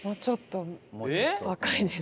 若いです。